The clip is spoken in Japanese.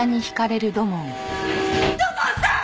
土門さん！！